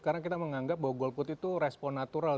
karena kita menganggap bahwa golput itu respon natural